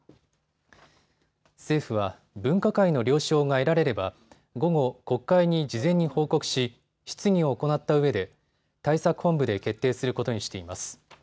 政府は分科会の了承が得られれば午後、国会に事前に報告し質疑を行ったうえで対策本部で決定することにしています。